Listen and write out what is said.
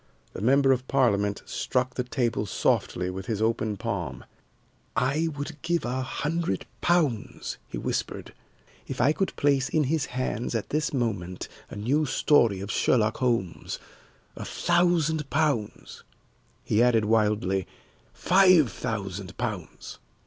The member of Parliament struck the table softly with his open palm. "I would give a hundred pounds," he whispered, "if I could place in his hands at this moment a new story of Sherlock Holmes a thousand pounds," he added wildly "five thousand pounds!"